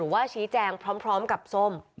ว่าชี้แจงพร้อมกับส้ม